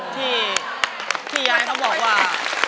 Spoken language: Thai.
ที่พี่ยายเขาบอกว่า